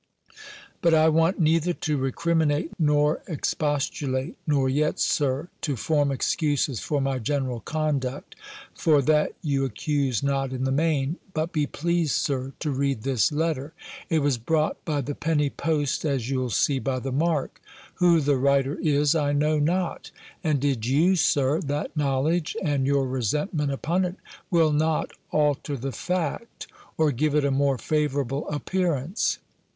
"But I want neither to recriminate nor expostulate; nor yet, Sir, to form excuses for my general conduct; for that you accuse not in the main but be pleased, Sir, to read this letter. It was brought by the penny post, as you'll see by the mark. Who the writer is, I know not. And did you, Sir, that knowledge, and your resentment upon it, will not alter the fact, or give it a more favourable appearance."